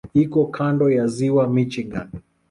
Iko kando ya Ziwa Michigan.